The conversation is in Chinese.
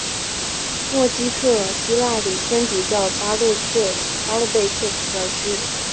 默基特希腊礼天主教巴勒贝克总教区。